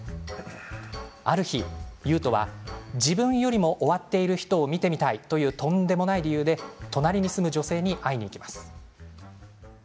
ある日、悠人は自分よりも終わっている人を見てみたいというとんでもない理由で隣に住む女性に会いに行きます。